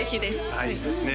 大事ですね